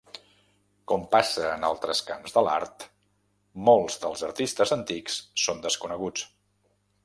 Com passa en altres camps de l'art, molts dels artistes antics són desconeguts.